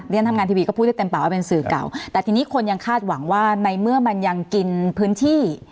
ทำงานทีวีก็พูดได้เต็มปากว่าเป็นสื่อเก่าแต่ทีนี้คนยังคาดหวังว่าในเมื่อมันยังกินพื้นที่